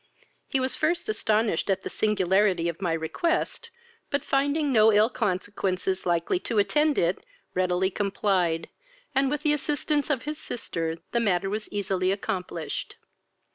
He was a first astonished at the singularity of my request; but, finding no ill consequences likely to attend it, readily complied, and with the assistance of his sister the matter was easily accomplished.